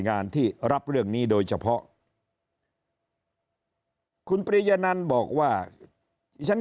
งานที่รับเรื่องนี้โดยเฉพาะคุณปริยนันบอกว่าที่ฉัน